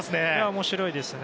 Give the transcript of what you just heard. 面白いですね。